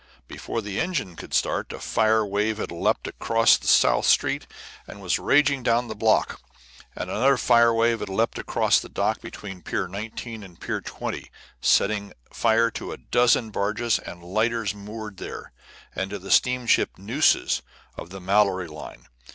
Before the engines could start, a fire wave had leaped across South Street and was raging down the block. And another fire wave had leaped across the dock between Pier 19 and Pier 20, setting fire to a dozen barges and lighters moored there, and to the steamship Neuces of the Mallory line.